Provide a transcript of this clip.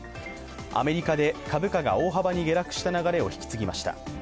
アメリカで株価が大幅に下落した流れを引き継ぎました。